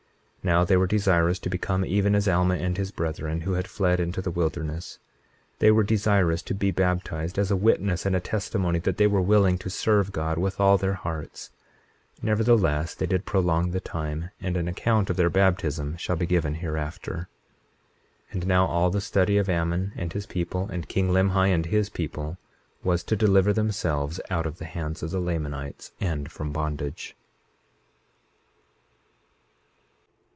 Now they were desirous to become even as Alma and his brethren, who had fled into the wilderness. 21:35 They were desirous to be baptized as a witness and a testimony that they were willing to serve God with all their hearts; nevertheless they did prolong the time; and an account of their baptism shall be given hereafter. 21:36 And now all the study of Ammon and his people, and king Limhi and his people, was to deliver themselves out of the hands of the Lamanites and from bondage.